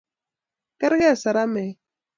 kerke seremek